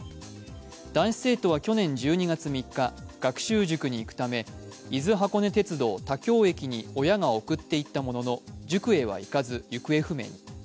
男子生徒は去年１２月３日、学習塾に行くため伊豆箱根鉄道・田京駅に親が送っていったものの、塾へは行かず、行方不明に。